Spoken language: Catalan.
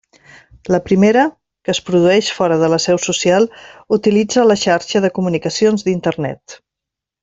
La primera, que es produeix fora de la seu social, utilitza la xarxa de comunicacions d'internet.